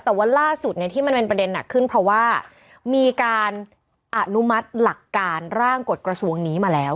แต่ว่าล่าสุดที่มันเป็นประเด็นหนักขึ้นเพราะว่ามีการอนุมัติหลักการร่างกฎกระทรวงนี้มาแล้ว